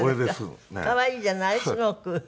可愛いじゃないすごく。